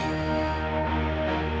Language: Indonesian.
generasi para inggris